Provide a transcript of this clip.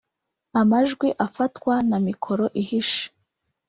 amajwi afatwa na mikoro ihishe